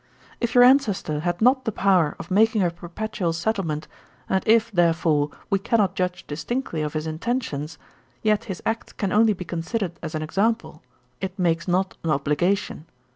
'If your ancestor had not the power of making a perpetual settlement; and if, therefore, we cannot judge distinctly of his intentions, yet his act can only be considered as an example; it makes not an obligation.